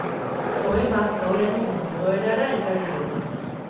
Poema gaur egungo egoerara ekarri dugu.